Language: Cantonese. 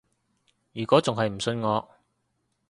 如果仲係唔信我